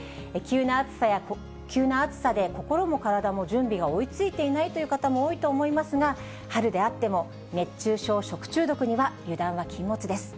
急な暑さで心も体も準備が追いついていないという方も多いと思いますが、春であっても、熱中症、食中毒には油断は禁物です。